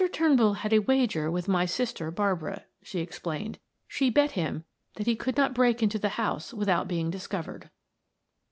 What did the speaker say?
Turnbull had a wager with my sister, Barbara," she explained. "She bet him that he could not break into the house without being discovered."